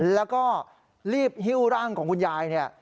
แล้วก็รีบหิ้วร่างของคุณยายเนี่ย